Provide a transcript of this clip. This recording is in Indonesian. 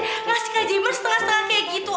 ngasih kajeman setengah setengah kayak gitu